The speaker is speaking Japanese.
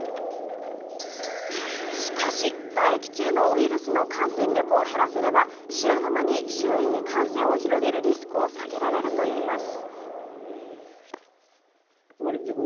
しかし、唾液中のウイルスの感染力を減らせれば、知らぬ間に周囲に感染を広げるリスクを下げられるといいます。